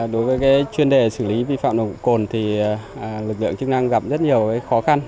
đối với chuyên đề xử lý vi phạm nồng độ cồn thì lực lượng chức năng gặp rất nhiều khó khăn